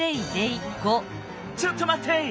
ちょっとまって！